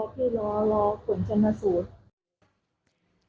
พี่รอรอผลชนะสูตร